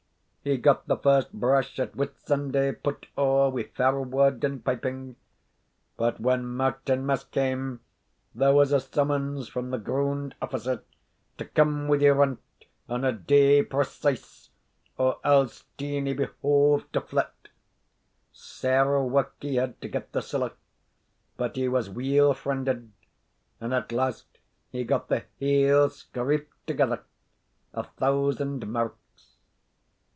He got the first brash at Whitsunday put ower wi' fair word and piping; but when Martinmas came there was a summons from the grund officer to come wi' the rent on a day preceese, or else Steenie behooved to flit. Sair wark he had to get the siller; but he was weel freended, and at last he got the haill scraped thegether a thousand merks.